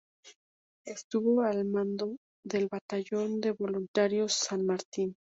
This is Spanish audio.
Estuvo al mando del Batallón de voluntarios "San Martín".